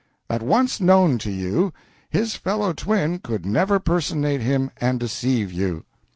That once known to you, his fellow twin could never personate him and deceive you."